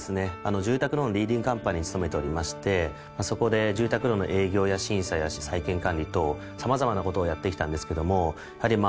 住宅ローンリーディングカンパニーに勤めておりましてそこで住宅ローンの営業や審査や債権管理等様々なことをやってきたんですけどもやはりまあ